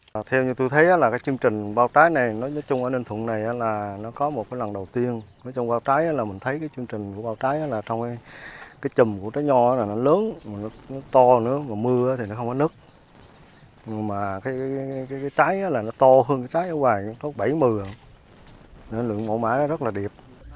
nó to nữa mùa thì nó không có nứt mà cái trái nó to hơn cái trái ở ngoài có bảy một mươi nên lượng mẫu mái nó rất là đẹp